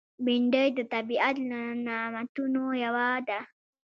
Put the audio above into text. بېنډۍ د طبیعت له نعمتونو یوه ده